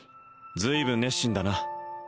随分熱心だな